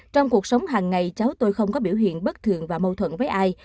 trong cuộc sống hàng ngày cháu tôi không có biểu hiện bất thường và mâu thuẫn với ai